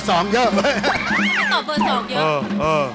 ตอบเบอร์๒เยอะ